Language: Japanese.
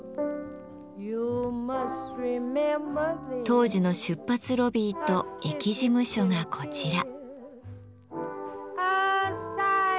当時の出発ロビーと駅事務所がこちら。